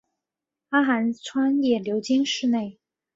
阿寒川也流经市内。